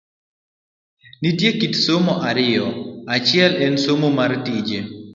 Nitie kit somo ariyo, achiel en somo mar tije